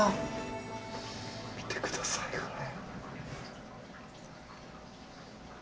見て下さいこれ。